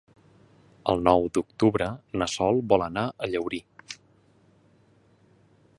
El nou d'octubre na Sol vol anar a Llaurí.